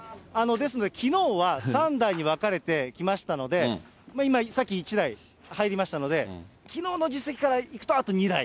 ですので、きのうは３台に分かれて来ましたので、今、さっき１台入りましたので、きのうの実績からいくとあと２台。